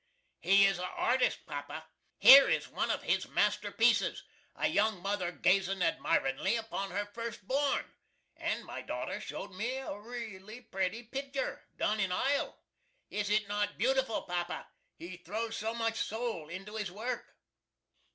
"He is a artist, papa. Here is one of his master pieces a young mother gazin' admirin'ly upon her first born," and my daughter showed me a really pretty picter, done in ile. "Is it not beautiful, papa? He throws so much soul into his work."